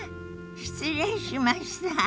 失礼しました。